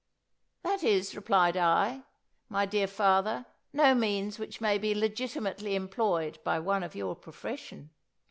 "That is," replied I, my dear father, "no means which may be legitimately employed by one of your profession."